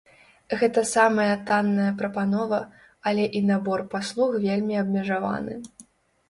Гэта самая танная прапанова, але і набор паслуг вельмі абмежаваны.